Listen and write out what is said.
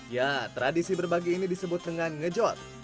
ya tradisi berbagi ini disebut dengan ngejot